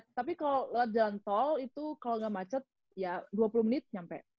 tapi kalau jalan tol itu kalau nggak macet ya dua puluh menit nyampe